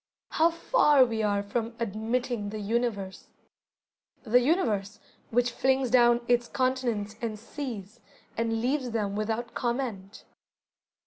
How far we are from "admitting the Universe"! The Universe, which flings down its continents and seas, and leaves them without comment.